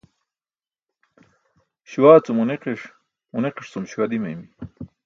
Śuwaa cum ġunikiṣ, ġunikiṣ cum śuwa dimaymi.